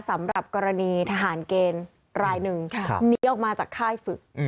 สำหรับกรณีทหารเกณฑ์รายหนึ่งหนีออกมาจากค่ายฝึก